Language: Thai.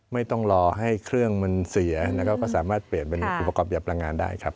ไม่ต้องรอให้เครื่องมันเสียแล้วก็สามารถเปลี่ยนเป็นอุปกรณ์หัดพลังงานได้ครับ